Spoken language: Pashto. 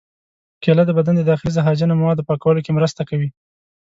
کېله د بدن د داخلي زهرجنو موادو پاکولو کې مرسته کوي.